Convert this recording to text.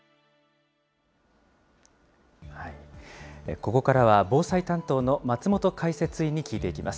ここからは防災担当の松本解説委員に聞いていきます。